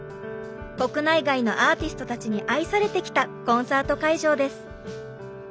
国内外のアーティストたちに愛されてきたコンサート会場です。